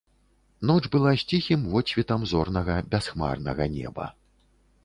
Ноч была з ціхім водсветам зорнага бясхмарнага неба.